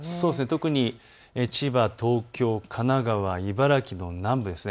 特に千葉、東京、神奈川、茨城の南部です。